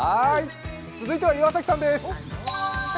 続いては岩崎さんです。